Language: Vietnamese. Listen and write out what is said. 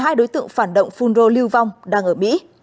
hai đối tượng phản động phun rô lưu vong đang ở mỹ